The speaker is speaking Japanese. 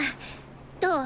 どう？